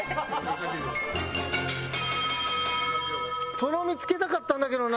とろみ付けたかったんだけどな。